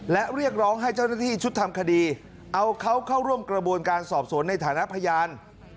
และเรียกร้องให้เจ้าหน้าที่ชุดทำคดีเอาเขาเข้าร่วมกระบวนการสอบสวนในฐานะพยาน